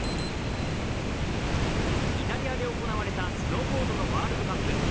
イタリアで行われたスノーボードのワールドカップ。